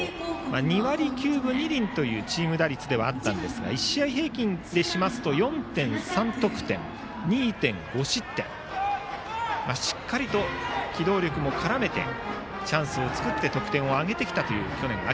２割９分２厘というチーム打率でしたが１試合平均でしますと４．３得点２．５失点としっかりと機動力も絡めてチャンスを作って得点を挙げてきたという去年の秋。